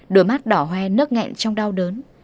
đôi mắt đỏ hoe nước ngẹn trong đau đớn